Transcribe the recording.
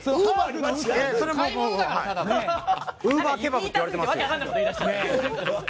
ウーバーケバブって言われてます。